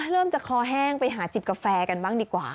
เริ่มจะคอแห้งไปหาจิบกาแฟกันบ้างดีกว่า